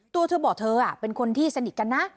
ตัวเธอบอกเธอเป็นคนที่สนิทกันนะ